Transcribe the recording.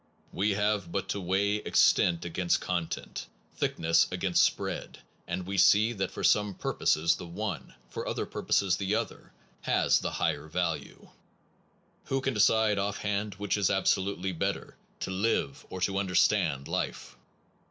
We have but to weigh extent against content, thickness against spread, and we see that for some purposes the one, for other pur poses the other, has the higher value. Who can decide offhand which is absolutely better to live or to understand life?